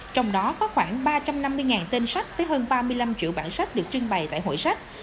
trong đó có khoảng ba trăm năm mươi tên sách với hơn ba mươi năm triệu bản sách được trưng bày tại hội sách